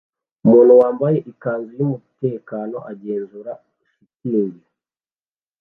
Umuntu wambaye ikanzu yumutekano agenzura shitingi